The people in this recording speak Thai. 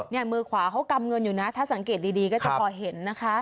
มือขวาเขากำเงินอยู่นะถ้าสังเกตดีก็จะพอเห็นนะคะ